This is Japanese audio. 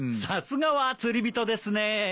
さすがは釣り人ですね。